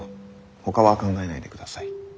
ほかは考えないでください。